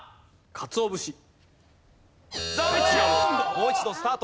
もう一度スタート。